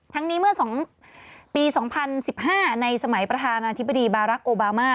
ทั้งนี้เมื่อ๒ปี๒๐๑๕ในสมัยประธานาธิบดีบารักษ์โอบามา